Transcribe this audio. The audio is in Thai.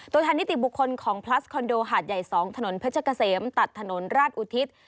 ตัวแทนนิติบุคคลของพลัสคอนโดหาดใหญ่๒ถนนเพชรเกษมตัดถนนราชอุทิศ